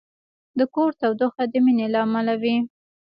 د کور تودوخه د مینې له امله وي.